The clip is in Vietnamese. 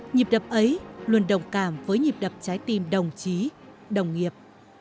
nhịp đập ấy luôn đồng cảm với nhịp đập trái tim đồng chí đồng nghiệp